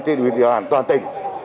trên huyện đồng này toàn tỉnh